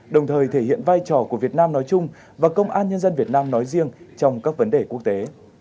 đồng thời thể hiện vai trò của việt nam nói chung và công an nhân dân việt nam nói riêng trong các vấn đề quốc tế